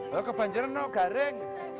kalau kebanjiran no garing